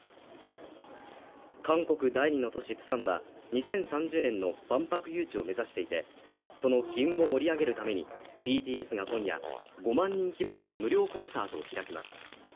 韓国第２の都市プサンが２０３０年の万博誘致を目指していてその機運を盛り上げるためにＢＴＳが今夜５万人規模の無料コンサートを開きます